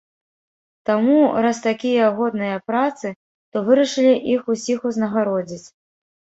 Таму, раз такія годныя працы, то вырашылі іх усіх узнагародзіць.